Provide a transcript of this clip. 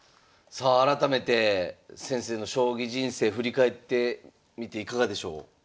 さあ改めて先生の将棋人生振り返ってみていかがでしょう？